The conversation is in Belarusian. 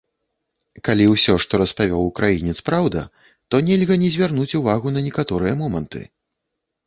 Калі ўсё, што распавёў украінец, праўда, то нельга не звярнуць увагу на некаторыя моманты.